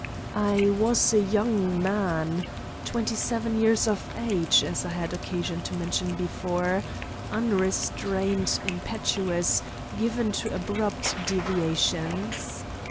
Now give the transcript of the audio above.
I was a young man, twenty seven years of age as I had occasion to mention before unrestrained, impetuous, given to abrupt deviations.